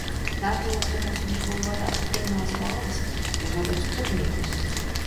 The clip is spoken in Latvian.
Nākamajos gados viņš guva vairākas pirmās balvas dažādos turnīros.